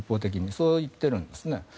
そういっているんですね。